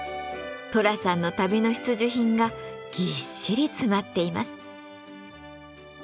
寅さんの旅の必需品がぎっしり詰まっています。